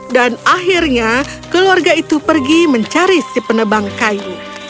dan akhirnya keluarga itu pergi mencari si penebang kayu